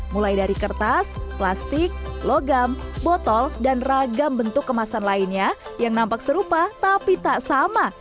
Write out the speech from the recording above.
mulai dari kertas plastik logam botol dan ragam bentuk kemasan lainnya yang nampak serupa tapi tak sama